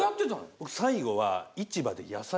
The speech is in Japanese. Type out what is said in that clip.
僕最後は。